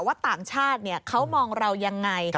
ต่างชาติเขามองเรายังไง